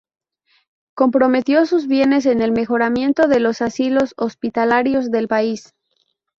Comprometió sus bienes en el mejoramiento de los asilos hospitalarios del país.